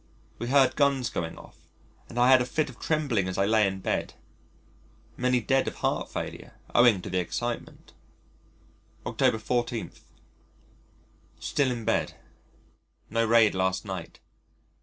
We heard guns going off, and I had a fit of trembling as I lay in bed. Many dead of heart failure owing to the excitement. October 14. Still in bed. No raid last night.